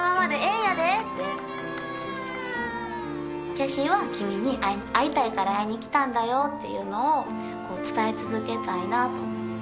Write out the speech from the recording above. きゃしーは君に会いたいから会いに来たんだよっていうのを伝え続けたいなと思って。